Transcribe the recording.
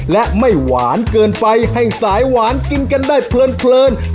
และไม่หวานเกินไปให้สายหวานกินกันได้เพลิน